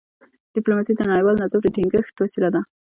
ډيپلوماسي د نړیوال نظم د ټینګښت وسیله ده.